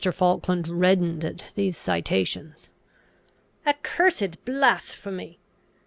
Falkland reddened at these citations. "Accursed blasphemy!